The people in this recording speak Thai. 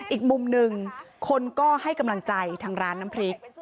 อีกมุมหนึ่งคนก็ให้กำลังใจทางร้านน้ำพริก